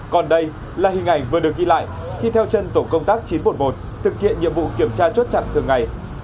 còn đây là hình ảnh vừa được ghi lại khi theo chân tổ công tác chín trăm một mươi một thực hiện nhiệm vụ kiểm tra chốt chặn thường ngày